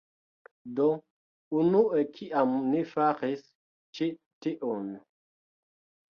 Do, unue kiam ni faris ĉi tiun...